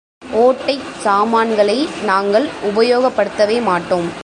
ஓட்டைச் சாமான்களை நாங்கள் உபயோகப்படுத்தவே மாட்டோம்.